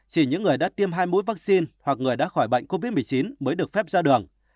chỉ những người đã tiêm hai mũi vaccine hoặc người đã khỏi bệnh covid một mươi chín mới được phép ra đường